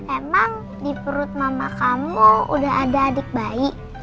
emang di perut mama kamu udah ada adik bayi